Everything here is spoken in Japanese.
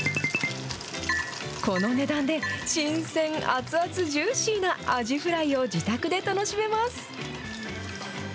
この値段で新鮮熱々ジューシーなアジフライを自宅で楽しめます。